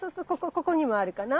ここにもあるかな。